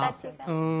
うん。